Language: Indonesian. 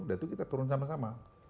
dan itu kita turun sama sama